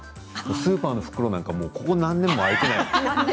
スーパーの袋なんかここ何年も開いていない。